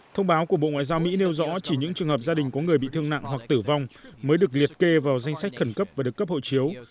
thông báo của bộ ngoại giao mỹ nêu rõ chỉ những trường hợp gia đình có người bị thương nặng hoặc tử vong mới được liệt kê vào danh sách khẩn cấp và được cấp hộ chiếu